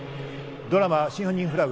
ドラマ『真犯人フラグ』